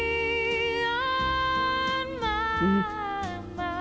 うん！